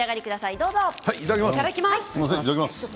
いただきます。